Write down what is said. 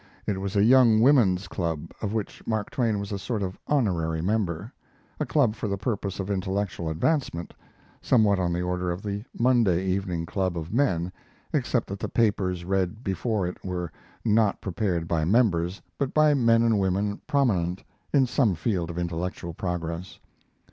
It was a young women's club, of which Mark Twain was a sort of honorary member a club for the purpose of intellectual advancement, somewhat on the order of the Monday Evening Club of men, except that the papers read before it were not prepared by members, but by men and women prominent in some field of intellectual progress.